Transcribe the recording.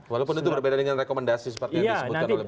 walaupun itu berbeda dengan rekomendasi seperti yang disebutkan oleh